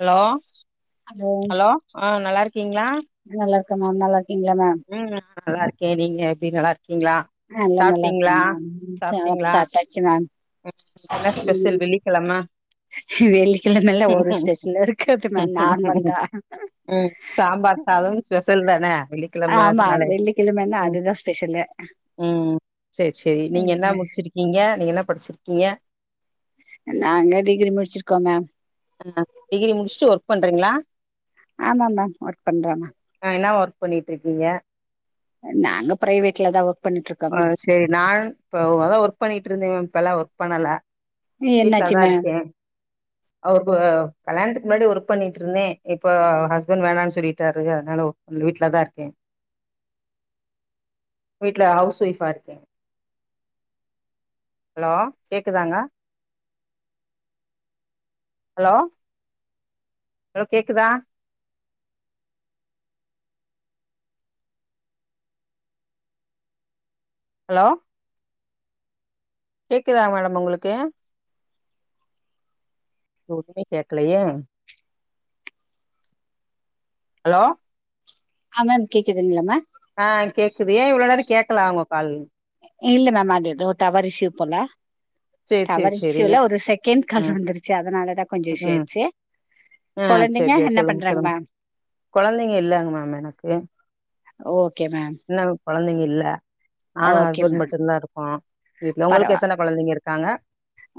Hello hello ஆ நல்லா இருக்கீங்களா நல்லா இருக்க மேம் நல்லா இருக்கீங்களா மேம் ம் நா நல்லா இருக்கேன் நீங்க எப்டி நல்லா இருக்கீங்களா ஆ எல்லாம் நல்லா சாப்ட்டீங்களா இருக்கும் மேம் சாப் சாப்ட்டீங்களா சாப்ட்டாச்சு மேம் ம் என்ன ஸ்பெஷல் வெள்ளிக்கிழம வெள்ளிக்கிழமல்லாம் ஒரு ஸ்பேஷலும் இருக்காது மேம் நார்மல் தான் ம் சாம்பார் சாதம் ஸ்பெஷல் தான ஆமா வெள்ளிக்கிழமனாலே வெள்ளிக்கிழமைன்னா ம் அதுதா ஸ்பெஷலு ம் செரி செரி நீங்க என்ன ம். முடிச்சிருக்கீங்க நீங்க என்ன படிச்சிருக்கீங்க நாங்க டிகிரி முடிச்சிருக்கோம் மேம் ஆ டிகிரி முடிச்சுட்டு ஒர்க் பண்றீங்களா ஆமா மேம் ஒர்க் பன்னுரன் மேம் ஆ என்ன ஒர்க் பண்ணிட்டு இருக்கீங்க நாங்க பிரைவேட்ல தா ஒர்க் பண்ணிட்டு இருக்கோ ஆ மேம் செரி நான் இப்ப தான் ஒர்க் பண்ணிட்டு இருந்தேன் மேம் பல் இப்பலா ஒர்க் பண்ணல என்னாச்சு வீட்லதான் மேம் இருக்கேன் அவரு கல்யாணத்துக்கு முன்னாடி ஒர்க் பண்ணிட்டு இருந்தேன் இப்போ ஹஸ்பண்ட் வேணாம்னு சொல்லிட்டாரு அதனாலா அந்த வீட்லதா இருக்கே வீட்ல ஹவுஸ் ஒய்ஃப்பா இருக்கே ஹலோ கேக்குதாங்க ஹலோ ஹலோ கேக்குதா ஹலோ கேக்குதா மேடம் உங்களுக்கு ஒன்னுமே கேக்கலய ஹலோ ஆ மம் கேக்குதுங்ளா ம ஆ கேக்குது ஏ இவ்வளோ நேரோ கேக்கலா உங்க கால் இல்ல மம் அது எதோ டவர் இஸ்யூ போல சேரி சேரி டவர் சேரி இஷ்ல ஒரு செகெண்ட் கால் ம் வந்துருச்சு அதனாலதா கொஞ்சோ இஷ்யூ ஆய்டுச்சு அ சரி சரி சொல்லுங்க சொல்லுங்க மேம் கொழந்தைங்க இல்லங்க மம் எனக்கு ஓகே மம் இன்னு கொழந்தைங்க இல்ல நானு மேம் ஹஸ்பண்ட் மட்டுந்தா இருக்கோ வீட்ல உங்களுக்கு எத்தன கொழந்தைங்க இரு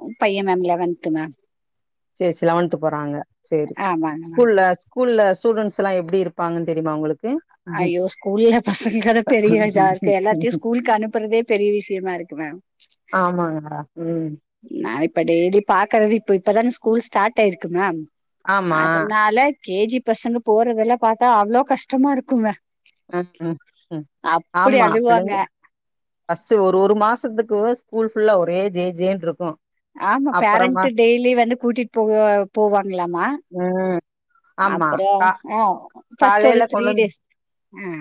ஒரு பைய மம் லெவன்த்து மம் சேரி சே லெவன்து போறாங்க சேரி ஆமாங்க மேம் ஸ்கூல்ல ஸ்கூல்ல ஸ்டூட்ஸ் எல்லா எப்டி இருப்பாங்கன் தெரிமா உங்களுக் ஐயோ ஸ்கூல்ல பசங்கதா பெரிய இதா இருக்கு எல்லாத்தையு ஸ்கூல்க்கு அனுப்புறதே பெரிய விஷயமா இருக்கு மம் ஆமாங்க ம் நா இப்ப டேலி பாக்குறது இப்ப இப்பதான ஸ்கூல் ஸ்டாட் ஆய்ருக்கு மம் ஆமா அதனால கேஜி பசங்க போறதெல்ல பாத்தா அவ்ளோ கஷ்டமா இருக்குங்க ம் ம் ம் அப்படி ஆமா அழுவாங்க பிள்ளைங்க ஃபஸ்ட்டு ஒரு ஒரு மாசத்துக்கு ஸ்கூல் ஃபுல்லா ஒரே ஜேஜேன்ருக்கு ஆமா பேரண்ட்டு டெய்லி வந்து கூட்டிட்டு போ போவாங்களாமா ம் ஆமா அப்புற கா ஆ ஃபஸ்ட்டு ஒரு காலையில த்ரீ கொண்டு வந்து டேஸ் ஆ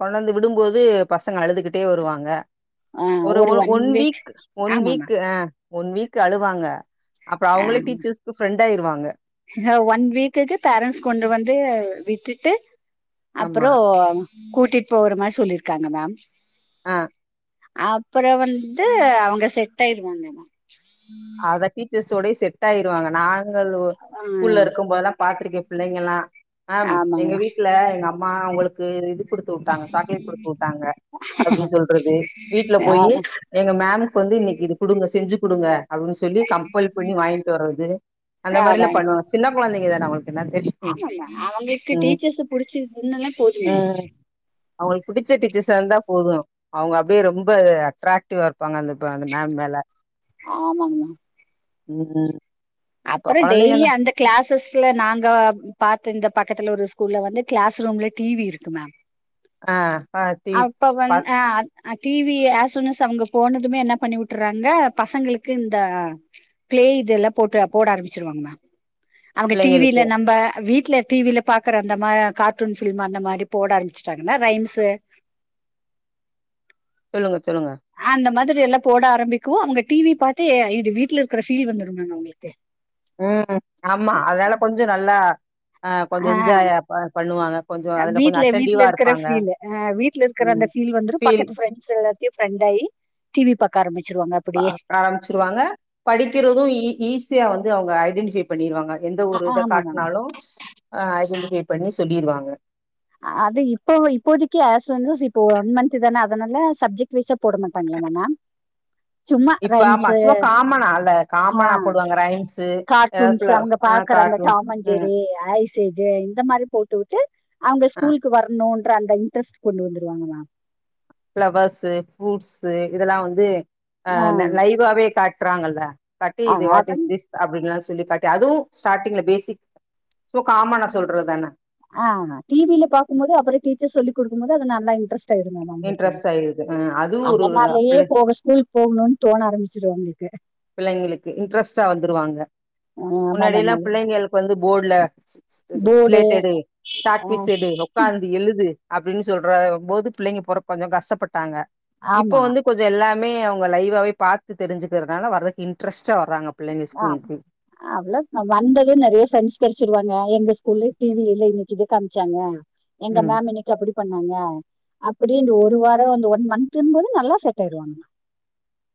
கொண்டந்து விடும்போது பசங்க அழுதுகிட் டே வருவாங்க ஒரு ஒரு ஒன் வீக் ஒன் ஆமா மேம் வீக் அ ஒன் வீக் அழுவாங்க அப்ப அவங்களே டீச்சர்ஸ்கு ஃப்ரெண்ட் ஆயிருவாங்க அ ஒன் வீக்குக்கு பேரனஸ் கொண்டு வந்து விட்டுட்டு ஆமா அப்புறோ கூட்டிட் போகற மாரி சொல்லிருக்காங்க மம் ஆ அப்புற வந்து அவங்க செட் ஆயிருவாங்க மா அதா டீச்சர்ஸோடயே செட் ஆயிருவாங்க நாங்களு ஸ்கூல்ல இருக்கும்போதுலா பாத்திருக்கே பிள்ளைங்கலா மம் ஆ ஆமாங்க எங்க வீட்ல எங்க அம்மா உங்களுக் கு இது குடுத்து உட்டாங்க சாக்லேட் குடுத்து உட்டாங்க அப்டின்னு சொல்றது வீட்ல மேம் போயி ஆமா எங்க மேமுக்கு வந்து இன்னைக்கு இது குடுங்க செஞ்சு குடுங்க அப்டின் சொல்லி கம்பல் பண்ணி வாங்கிட்டு வர்றது அந்த மாரிலா பண்ணுவாங்க சின்ன குழந்தைங்க தான நம்மளுக்கு என்ன தெரியு ஆமாமா அவங்களுக்கு ம் டீச்சர்ஸ்ச புடிச்சிருதுன்னா போதுமே ம் அவங்களுக்கு பிடிச்ச டீச்சர்ஸசா இருந்தா போது அவங்க அப்டியே ரொம்ப அட்ரக்டிவா இருப்பாங்க அந்த ப அந்த மம் மேல ஆமாங்கமா ம் அப்புற டெய்லி கொழந்தைங்கன்னா அந்த க்ளஸஸ்ல நாங்க பாத்து இந்த பக்கத்துல ஒரு ஸ்கூல்ல வந்து க்ளஸ் ரூம்ல டி வி இருக்கு மம் ஆ ஆ டி இப்ப ஒன் பாத் ஆ டிவிஆஸ்ஸுனஸ் அவங்க போனதுமே என்ன பண்ணி விட்டுறாங்க பசங்களுக் கிண்டா பிளே இதெல்லா போட்டு போட ஆரம்பிச்சிருவாங்க அவங்க டிவி பிள்ளைங்களுக்கு ல நம்ம வீட்ல டிவி ல பாக்குற அந்த கார்டூன் ஃபிலிம் அந்த மாரி போட ஆரம்பிச்சிட்டாங்கன்னா ரைம்ஸ்ஸு சொல்லுங்க சொல்லுங்க அந்த மாதிரி எல்லா போட ஆரம்பிக்கு அவங்க டிவி பாத்தே இது வீட்ல இருக்கிற ஃபீல் வந்துடு மேம் அவங்களுக்கு ம் ஆமா அதனால கொஞ்சோ நல்லா ஆ கொஞ்சோ என்ஜாயா பண்ணுவாங்க கொஞ்சோ அதுல கொஞ்சோ வீட்ல அட்டென்டிவா இருப்பாங்க இருக்குற ம் அந்த ஃபீல் வந்து பக்கத்து ஃபிரண்டஸ் எல்லாத்தையு ஃபிரெண்ட் ஆயி டிவி பாக்க ஆரம்பச்சிருவாங்க ஆ ஆரம்பிச்சிருவாங்க படிக்கிறது ஈஸியா வந்து அவங்க ஐடென்டிஃபை பண்ணிருவாங்க எந்த ஒரு இத ஆமா மேம் காட்னாலு ஐடென்டிஃபை பண்ணி சொல்லிருவாங்க அது இப்போ இப்போதைக்கு அஸ் வந்து ஸிப்போ ஒன் மந்த் தான அதனால சப்ஜெக்ட் வைஸா போட மாட்டாங்களாமா மேம் [unintelligible] சும்மா இப்ப ரைம்ஸ் மச்சுமா காமனால்ல காமனா ஆ போடுவாங்க ரைம்ஸ்ஸு எதா கார்ட்டூன்ஸ் ஃபுல்லா ஆ கார்ட்டுன்ஸ் ம் ஐ சி ஜே இந்த மாரி போட்டுவுட்டு அவங்க ஆ ஸ்கூலுக்கு வரணும்ன்ற அந்த இன்ட்ரெஸ்ட் கொண்டு வந்துருவாங்க மேம் ஃப்ளவர்ஸு, ஃப்ரூட்ஸு இதெல்லா வந்து ஆ லைவாவே காட்றாங்கல்ல பட்டி இது வாட்டிஸ் அதான் திஸ் அப்டின்னுலா சொல்லி காட்டி அதுவு ஸ்டார்ட்டிங்ல பேசிக் சோ காமனா சொல்றதுதான ஆமா டிவில பாக்கு போது அப்றோ டீச்சர் சொல்லி குடுக்கு போது நல்லா இன்ட்ரஸ்ட் இன்ட்ரெஸ்ட் ஆயிருது அ அதுவு ஒரு அதனாலயே பிள்ள போக ஸ்கூல் போகணுன் தோண ஆரம்பிச்சிரு அவங்களுக்கு பிள்ளைங்களுக்கு இன்ட்ரெஸ்ட்டா வந்துருவாங்க ஆ, ஆமா முன்னாடியெல்லா மேம் பிள்ளைங்களுக்கு வந்து போர்டல ச போர்டு ஸ்லேட்டெடு சாக் பீஸ் எடு உக்காந்து எழுது அப்டின் சொல்ற போது பிள்ளைங்க போற கொஞ்சோ கஷ்டப்பட்டாங்க இப்போ ஆமா வந்து கொஞ்சோ எல்லாமே அவங்க லைவாவே பாத்து தெரிஞ்சுக்கிறனால வரக்கு இன்ட்ரஸ்ட்டா வறாங்க பிள்ளைங்க ஸ்கூலுக்கு அவ்வளவுக் நா வந்ததே நெறய ஃபிரெண்ட்ஸ் கெடச்சிருவாங்க எங்க ஸ்கூல்ல டிவி இல்லன்னு இது காமிச்சாங்க எங்க ம் மேம் என எப்டி பண்ணாங்க அப்டி இந்த ஒரு வார அ ஒன் மந்த்ன்றது நல்லா செட் ஆயிருவாங்கா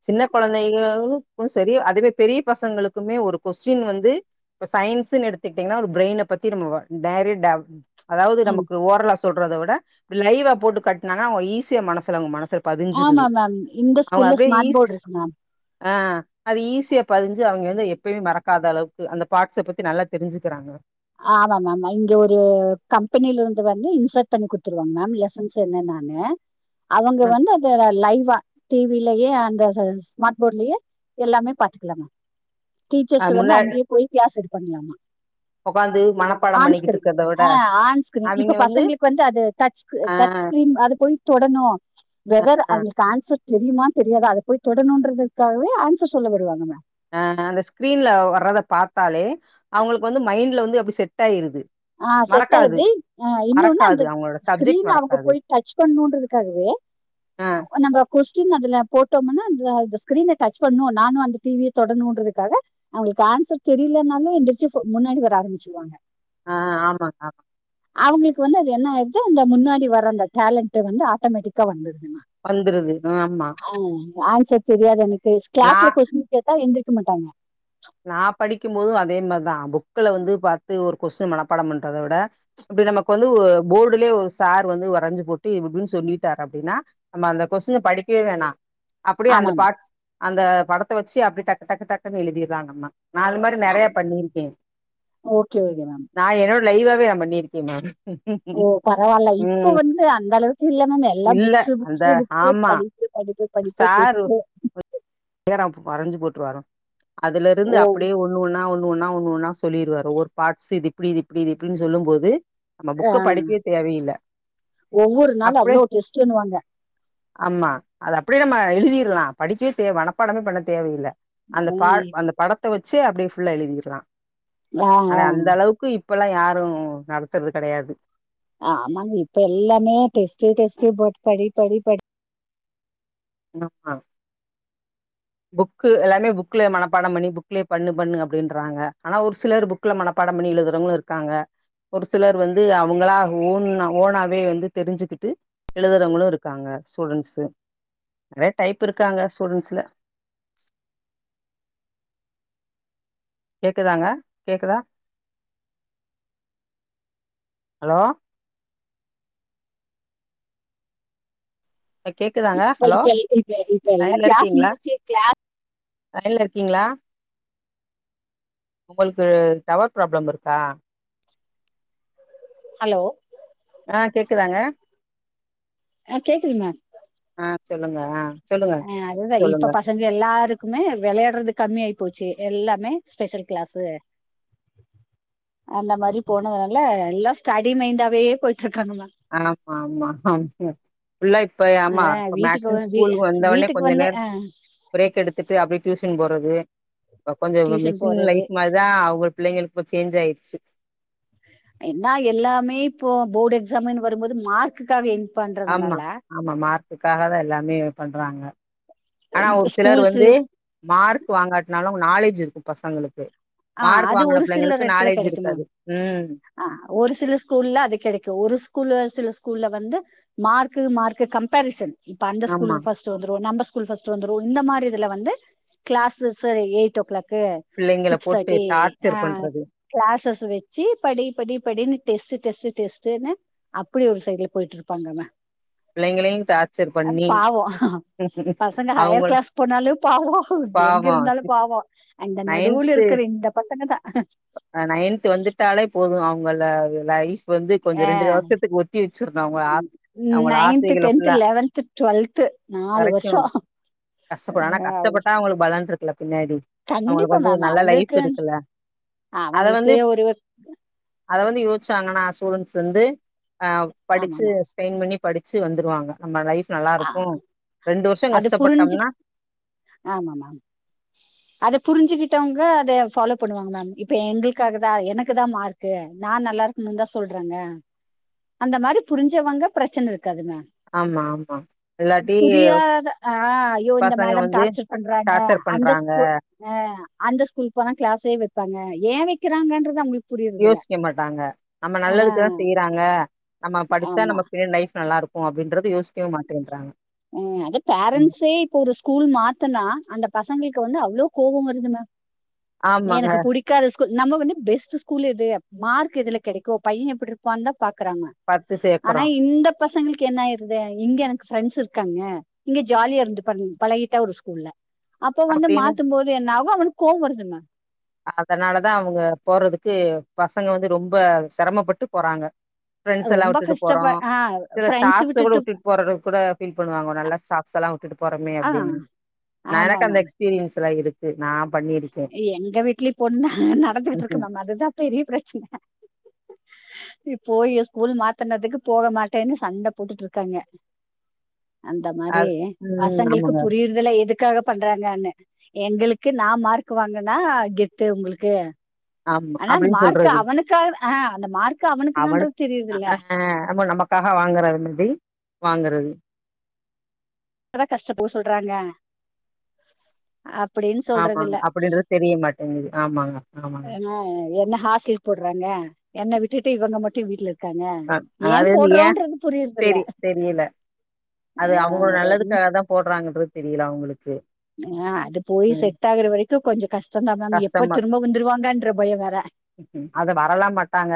சின்ன குழந்தைகளுக்கு சரி அதுவே பெரிய பசங்களுக்குமே ஒரு கொஸ்டின் வந்து இப்ப சயின்ஸ்ன் எடுத்துக்கிட்டீங்னா ஒரு பிரெயின பத்தி நம்ம டரி ட அதாவது நமக்கு ஓரலா சொல்றத விட லைவா போட்டு காட்னனா அவங்க ஈஸியா மனசுல அவங்க மனசு ஆமா பதிஞ்சிருது மேம் இந்த அவங்க ஸ்கூல்ல அப்டியே ஸ்மார்ட் ஈஸ் போர்டு இருக்கு மேம் ஆ அது ஈஸியா பதிஞ்சு அவங்க வந்து எப்பயுமே மறக்காத அளவுக்கு அந்த பாட்ஸ பத்தி நல்லா தெரிஞ்சுக்கிறாங்க ஆமா மேம் இங்க ஒரு கம்பெனிலருந்து வந்து இன்சர்ட் பண்ணி குடுத்துருவாங்க மேம் லெசன்ஸ் என்னனனு [unintelligible] அவங்க வந்து அத லைவா டிவிலயே அந்த ஸ்மார்ட் போர்ட்லயே எல்லாமே பாத்துக்கலா மேம் அ டீச்சர்ஸ் வந்து முன்னா அங்கயே போய் கிளாஸ் எடுக்கணுமாமா ஓக்காந்து மனப்பாட பண்ணிக்கிட்ருக்கனு ஆ ஆன் ஸ்கிரீன் இப்ப பசங்களுக்கு வந்து அது டச் ஆ டச் ஸ்கிரீன் அது போய் தொடணு ஆ வெவர் அவங்களுக்கு ஆன்சர் தெரியுமா தெரியாதா அத போய் தொடணுன்றதுக்காவே ஆன்சர் சொல்ல வருவாங்க ஆ அந்த ஸ்க்ரீன்ல வர்றத பாத்தாலே அவங்களுக்கு வந்து மைண்ட்ல வந்து அப்டி செட் ஆய்ருது ஆ செட் ஆய்ருதி ஆ இன்னொன்னு அந்த மறக்காது அவங்களோட சப்ஜெக்ட் ஸ்கிரீன் அவுங்க மறக்காது போய் டச் பண்ணணுன்றதுக்காகவே ஆ நம்ப கொஸ்டின் அதுல போட்டோமுன்னா அந்த அந்த ஸ்கிரீன டச் பண்ணு நானு அந்த டி விய தொடணுன்றதுக்காக அவுங்களுக்கு ஆன்சர் தெரிலேனாலு எந்துருச்சு முன்னாடி வர ஆரம்பிச்சுருவாங்க ஆ ஆமாங்க ஆமா அவுங்களுக்கு வந்து அது என்னாய்ருது அந்த முன்னாடி வர அந்த டேலண்ட்டு வந்து ஆட்டோமேட்டிக்கா வந்துறுதுமா வந்துருது ஆஹ் ஆமா அவ் ஆன்சர் தெரியாது எனக்கு நா கிளாஸ்ல கொஸ்டின் கேட்டா எந்திரிக்க மாட்டாங்க நா படிக்கும் போது அதே மாரிதா புக்ல வந்து பாத்து ஒரு கொஸ்டின் மனப்பாடம் பண்றத விட இப்டி நமக்கு வந்து ஒ போர்டலயே ஒரு சார் வந்து வரைஞ்சு போட்டு இப்டி இப்டின் சொல்லிட்டாரு அப்டின்னா நம்ம அந்த கொஸ்டின படிக்கவே வேணா அப்டியே ஆமா அந்த மேம் பாட்ஸ் அந்த படத்த வச்சு அப்டி டக்கு டக்கு டக்குன்னு எழுதிற்லா நம்ம நா அது மாரி நெறைய பண்ணிருக்கே ஓகே ஓகே மேம் நா என்னோட லைவாவே நா பண்ணிருக்கே மேம் ஓ பரவால்ல இப்போ ம் வந்து அந்த அளவுக்கு இல்ல மேம் எல்லா இல்ல புக்ஸு அந்த புக்ஸு புக்ஸு ஆமா படி ப்பு படிப்பு படிப்பு டெஸ்ட்டு ஹேராப் வறஞ்சு போட்டு வாரா அதுலருந்து ஓ அப்டியே ஒ ஒண்ணு ஒன்னா ஒண்ணு ஒன்னா ஒண்ணு ஒண்ணா சொல்லிருவாரு ஒரு பாட்ஸ் இது இப்டி இது இப்டி இது இப்டின் சொல்லும் போது நம்ம ஆ புக்க படிக்கவே தேவையில்ல ஒவ்வொரு நாள் அப்டியே அவ்ளோ டெஸ்ட்ன்னுவாங்க ஆமா அது அப்டியே நம்ம எழுதிர்லா படிக்கவே தே வனப்பாடமே பண்ண தேவையில்ல அந்த பா ம் அந்த படத்த வச்சே அப்டியே ஃபுல்லா எழுதிர்ல ஆ அவெ ஆ அந்த அளவுக்கு இ இப்பல்லா யாரு நடத்றது கெடையாது ஆமாங்க இப்ப எல்லாமே டெஸ்ட்டு டெஸ்ட்டு போட் படி படி படி ஆமா புக்கு எல்லாமே புக்ல மனப்படம் பண்ணி புக்லயே பண்ணு பண்ணு அப்டின்றாங்க ஆனா ஒரு சிலர் புக் புக்ல மனப்பாடம் பண்ணி எழுதுறவங்களு இருக்காங்க ஒரு சிலர் வந்து அவுங்களா ஓன்னா ஓனாவே வந்து தெருஞ்சுக்கிட்டு எழுதுறவங்களு இருக்காங்க ஸ்டூடன்ஸு நெறைய டைப் இருக்காங்க ஸ்டூடன்ஸ்ல கேக்குதாங்க கேக்குதா ஹலோ இப்ப கேக்குதாங்க இப்ப ஹலோ இப்ப இப்ப இப்ப எல்லாம் லையன்ல கிளாஸ் இருக்கீங்களா முடிச்சு கிளா லையன்ல இருக்கீங்களா ஒங்களுக்கு டவர் ப்ராப்ளம் இருக்கா ஹலோ ஆ கேக்குதாங்க ஆ கேக்குது மேம் ஆ சொல்லுங்க ஆ சொல்லுங்க சொல்லுங்க எங்க எல்லாருக்குமே வெளையாட்றது கம்மி ஆயி போச்சு எல்லாமே ஸ்பெஷல் கிளாஸு அந்த மாரி போனதுனால எல்லா ஸ்டடி மைண்டாவே போயிட்டு இருக்காங்க மேம் ஆமாமா [unintelligible] ஃபுல்லா இப்ப ஆமா அ இப்ப வீட்டுக்கு வ மேக்சிமம் வீ ஸ்கூலுக் வந்தவோனே வீட்டுக்கு கொஞ்ச வந்து நேர அ பிரேக் எடுத்துட்டு அப்டியே டியூஷன் போறது இப்ப கொஞ்ச டியூஷன் மிஷின் போறது லைஃப் மாரிதா அவுங்களுக் பிள்ளைங்களுக்கு இப்ப சேஞ்ச் ஆயிறுச்சு என்ன எல்லாமே இப்போ போர்டு எக்ஸாமு வரும்போது மார்க்குக்கா வேண் ஆமா ஆமா மார்க்குக்காக தா எல்லாமே பண்றாங்க ஆனா இப்ப ஒரு சிலர் வந்து ஸ்கூல்ஸ்லே மார்க் வாங்காட்னாலு நாலேஜ் இருக்கு பசங்களுக்கு ஆ மார்க் அது வாங்குன ஒரு சிலர் பிள்ளைங்களுக்கு எடத்துல நாலேஜ் கெடைக்கு மேம் இருக்காது ம் ஆ ஒரு சில ஸ்கூல்ல அது கெடைக்கு ஒரு ஸ்கூல்ல சில ஸ்கூல்ல வந்து மார்க்கு மார்க்கு கம்பாரிஷன் இப்ப அந்த ஸ்கூலு ஆமா ஃபஸ்ட் ட்டு வந்துரு நம்ப ஸ்கூல் ஃபஸ்ட்டு வந்துரு இந்த மாரி இதுல வந்து க்ளாசஸ்ஸு எயிட் ஓ க்ளாக்கு புள்ளைங்கள போட்டு டார்ச்சர் பண்றது க்ளாஸஸ் வச்சு படி படி படின்னு டெஸ்ட் டெஸ்ட் டெஸ்ட்டுன்னு அப்டி ஒரு சைட்ல போயிட்ருப்பாங்கங்க பிள்ளைங்களையு டார்ச்சர் அ பண்ணி பாவோ பசங்க அவங்க ஹையர் க்ளாஸ் போனாலு பாவோ எங்க பாவோ இருந்தாலு சிக்ஸ் பாவோ அந்த நடுல இருக்குற இந்த பசங்க தா ஆ நைன்த் வந்துட்டாலே போது அவுங்கள லைஃப் இப்ப வந்து ஆ, கொஞ்ச ரெண்டுற வருஷத்துக்கு ஒத்தி வச்சிர்னு அவுங்க ஆஸ் அவுங்களோட ஆசைகல ஃபுல்லா டுவல்த்து நாலு வரைக்கு வர்ஷோ கஷ்டப்படு ஆனா கஷ்டப்பட்டா அவுங்களுக்கு பலன் இருக்குல பின்னாடி அவுங்களுக்கு கண்டிப்பா வந்து மேம் நல்ல லைஃப் அவங்களுக்கு இருக்குல்ல அத வந்து அவங்களுக்கு ஒரு அத வந்து யோசிச்சாங்கன்னா ஸ்டூடன்ஸ் வந்து ஆ படிச்சு ஆமாமா ஸ்ரெயின் பண்ணி படிச்சு வந்துருவாங்க நம்ம லைஃப் நல்லா ஆ, இருக்கு ரெண்டு வர்ஷோ கஷ்டப் பட்டம்னா ஆமா மேம் அத புரிஞ்சுகிட்டவுங்க அதயே ஃபாலோ பண்ணுவாங்க மேம் இப்ப எங்களுக்காக தா எனக்கு தா மார்க் க்கு நா நல்லா இருக்கணுன் தா சொல்றாங்க அந்த மாரி புரிஞ்சவங்க ப்ரச்சன இருக்காது மேம் ஆமா ஆமா இல்லாட்டி புரியாத ஆ ஐயோ இந்த பசங்க மேடம் வந்து டார்ச்சர் பண்றாங்க டார்ச்சர் அந்த பண்றாங்க ஸ்கூ ஆ அந்த ஸ்கூலுக்கு போன க்ளாஸே வெப்பாங்க ஏ வெக்கிறாங்கன்றது அவுங்களுக்கு யோசிக்க மாட்டாங்க நம்ம நல்லதுக்கு தா செய் றாங்க நம்ம படிச்சா ஆமா நம்ம பின்னாடி லைஃப் நல்லா இருக்கு அப்டின்றத யோச் ம் அது ம் பேரண்ட்ஸே இப்ப ஒரு ஸ்கூல் மாத்துனா அந்த பசங்களுக்கு வந்து அவ்ளோ கோவம் வருது மேம் நீ ஆமாங்க எனக்கு புடிக் காத ஸ்கூல் நம்ம வந்து பெஸ்ட் ஸ்கூல் இது மார்க் எதுல கெடைக்கு பையே எப்புட்ருப்பான் தா பாக்குறாங்க பாத்து ஆனா சேக்குறோ இந்த பசங்களுக்கு என்ன ஆயிருது இங்க எனக்கு ஃப்ரெண்ட்ஸ இருக்காங்க இங்க ஜாலியா இருந்து பாருங்க பழகிட்டா ஒரு ஸ்கூல்ல அப்ப வந்து அப்டின்னு மாத்தும்போது என்ன ஆகு அவனுக்கு கோவம் வருது மேம் அதுனாலதா அவுங்க போறதுக்கு பசங்க வந்து ரொம்ப சிரமப்பட்டு போறாங்க ப்ரெண்டஸ் எ ல்லா ரொம்ப வுட்டுட்டு போறோ கஷ்டப்ப ஆ சில ஃப்ரெண்ட்ஸ் ஸ்டாப்ஸ் கூட விட்டுட்டு விட்டு போறது கூட ஃபீல் பண்ணுவாங்க நல்லா ஸ்டாப் ஸ்லா வுட்டுட்டு போறமே ஆ அப்டின்னு நா ஆமா எனக்கு அந்த மேம் எக்ஸ்பீரியன்ஸ் எல்லா இருக் து நா பண்ணி எங்க வீட்லயு பொண்ணு நடந்துகிட்ருக்கு மேம் அதுதா பெரிய ப்ரச்சுன இப்போ ஏ ஸ்கூல் மாத்தனதுக்கு போக மாட்டேன்னு சண்ட போட்டுட்ருக்காங்க அந்த மாரி அது ம் பசங்களுக்கு ஆமாங்க புரியுற துல்ல எதுக்காக பண்றாங்கன்னு எங்களுக்கு நா மார்க் வாங்குனா கெத்து உங்களுக்கு ஆமா ஆனா அந்த அப்டின் மார்க் சொல்றது அவனுக்கா ஆஹ் அந்த மார்க் அவனுக்கு அவளுக் தான்றது தெரியுது அ இல்ல அ நம்மோ நமக் க்காக வாங்குறது மாிரி வாங்குறது ப்ப தா கஷ்டப் போ சொல்றாங்க அப்புடின் ஆமாங்க அப்டின்றது தெரியமாட்டேங்குது ஆமாங்க ஆமாங்க ஏனா என்ன ஹாஸ்டல்க்கு போட்றாங்க என்ன விட்டுட்டு இவங்க மட்டு வீட்ல இருப் க்காங்க அ ஏ அது வந்து ஏ போட்றோன்றது புரியற்தில்ல தெரி தெரியல அது அவுங்களோ நல்லதுக்காக தா போட்றாங்கன்றது தெரியில அவுங்களுக்கு ஆ அது போய் செட் ஆகுற வரைக்கு கொஞ்சொ கஷ் டந்தா மேம் எப்போ கஷ்டமா திரும்ப வந்துருவாங்கன்ற பயொ வேற அத வரலா மாட்டாங்க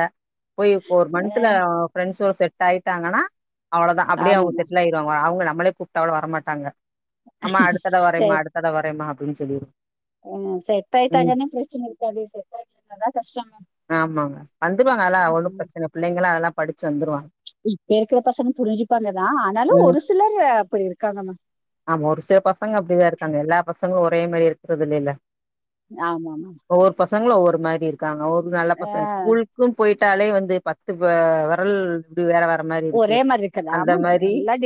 போய் இப்ப ஒரு மன்த்துல ஆஹ் ஃப்ரெண்ட்ஸோட செட் டாய்ட்டாங்கன்னா அவ்ளோதா அப்டியே அவ்ங்க ஆமாமா செட்லாயிருவாங்க அவுங்க நம்பளே கூப்ட்டாக் கூட வர மாட்டாங்க ஆமா அடுத்தட வரேமா அடுத்தட வரேமா அப்டின் சொல்லி ம் செட்டாய்ட்டாங்கன்னா ப்ரச்சன இருக்காது செட் ஆகலனாதா கஷ்டோ ஆமாங்க வந்துருவாங்க அதலா ஒன்னு ப்ரச்சன பிள்ளைங்களா அதெல்லா படிச்சு வந்துருவாங் இப்ப இருக்குற பசங்க புரிஞ்சுப்பாங்கதா ஆனாலு ம் ஒரு சிலர் அப்டி இருக்காங்கமா ஆமா ஒரு சில பசங்க அப்டிதா இருக்காங்க எல்லா பசங்களு ஒரே மாரி இருக்குறது இல்லல்ல ஆமாம் ஒவ்வொரு பசங்களு ஒவ்வொரு மாரி இருக்காங்க ஒரு நல்ல பசங்க ஆஹ் ஸ்கூல் க்குன் போய்ட்டாலே வந்து பத்து ஆ வெரல் வேற வ ற மாரி இருக்கு ஒரே மாதிரி இருக்குதா அந்த ஆமா மேம் மாரி எல்லாம்